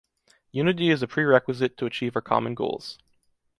Unity is a prerequisite to achieve our common goals.